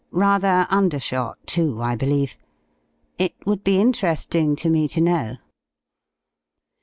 Rather undershot, too, I believe? It would be interesting to me to know."